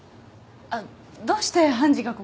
どうして判事がここに？